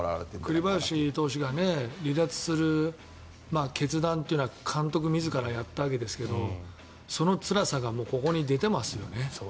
栗林投手が離脱する決断というのは監督自らやったわけですがそのつらさがここに出ていますよね。